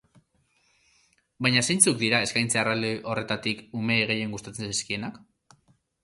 Baina zeintzuk dira eskaintza erraldoi horretarik, umeei gehien gustatzen zaizkienak?